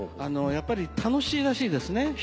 やっぱり楽しいらしいですね。